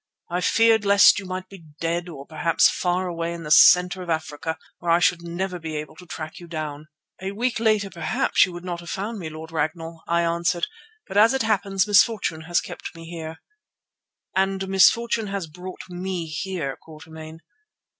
I feared lest you might be dead, or perhaps far away in the centre of Africa where I should never be able to track you down." "A week later perhaps you would not have found me, Lord Ragnall," I answered, "but as it happens misfortune has kept me here." "And misfortune has brought me here, Quatermain."